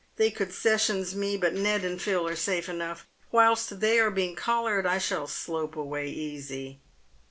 " They could sessions me, but Ned and Phil are safe enough. "Whilst they are being collared I shall slope away easy."